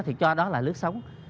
thì cho đó là lướt sóng